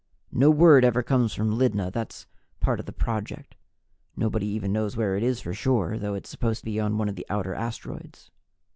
No word ever comes from Lydna; that's part of the project. Nobody even knows where it is for sure, though it's supposed to be one of the outer asteroids.